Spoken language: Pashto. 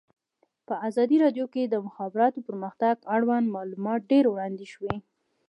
په ازادي راډیو کې د د مخابراتو پرمختګ اړوند معلومات ډېر وړاندې شوي.